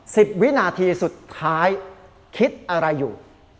สิบวินาทีสุดท้ายคิดอะไรอยู่